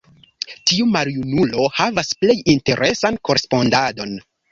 Tiu maljunulo havas plej interesan korespondadon.